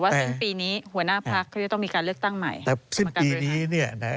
สิ้นปีนี้หัวหน้าพักเขาจะต้องมีการเลือกตั้งใหม่